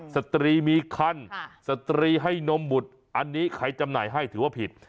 สตรีมีคันสตรีให้นมหมุดอันนี้ใครจำหน่ายให้ถือว่าผิด